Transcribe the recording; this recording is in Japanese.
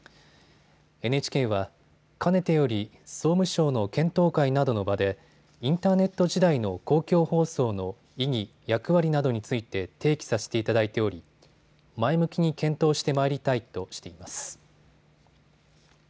ＮＨＫは、かねてより総務省の検討会などの場でインターネット時代の公共放送の意義、役割などについて提起させていただいており前向きに検討して参りたいとしています。